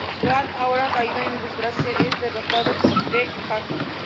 Sagat, ahora caído en desgracia, es derrotado por Dee Jay.